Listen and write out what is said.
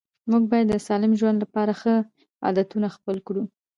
موږ باید د سالم ژوند لپاره ښه عادتونه خپل کړو